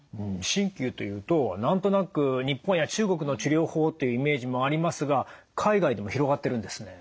鍼灸というと何となく日本や中国の治療法っていうイメージもありますが海外でも広がってるんですね。